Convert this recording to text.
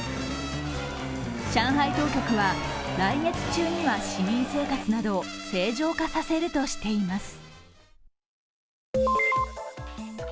上海当局は、来月中には市民生活などを正常化させるとしています。